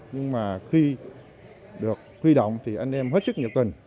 nhưng mà khi được huy động thì anh em hết sức nhiệt tình